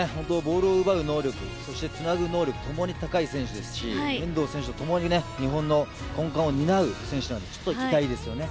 ボールを奪う能力、そしてつなぐ能力ともに高い選手ですし遠藤選手ともに、日本の根幹を担う選手なので、期待です。